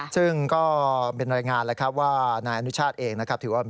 ซึ่งก็เป็นรายงานว่านายอนุชาติเองถือว่า